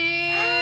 あ。